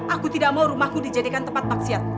aku tidak mau rumahku dijadikan tempat maksiat